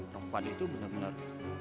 perempuan itu benar benar